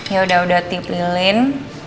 yaudah udah tip lilin